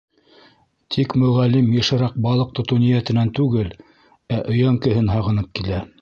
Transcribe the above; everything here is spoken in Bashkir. Тик Мөғәллим йышыраҡ балыҡ тотоу ниәтенән түгел, ә өйәңкеһен һағынып килә.